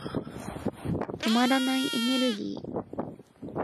止まらないエネルギー。